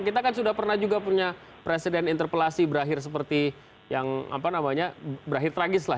kita kan sudah pernah juga punya presiden interpelasi berakhir seperti yang berakhir tragis lah